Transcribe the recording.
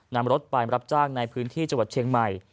นำรถไปรับจ้างในพื้นที่จังหวัดเชียงใหม่